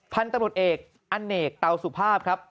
พันธุ์ตำรวจเอกอเนกเตาสุภาพครับ